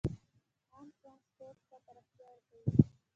عام ټرانسپورټ ته پراختیا ورکوي.